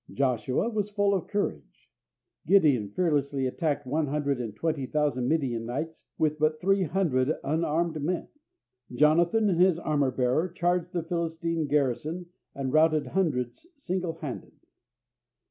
Joshua was full of courage. Gideon fearlessly attacked one hundred and twenty thousand Midianites, with but three hundred unarmed men. Jonathan and his armour bearer charged the Philistine garrison and routed hundreds singlehanded.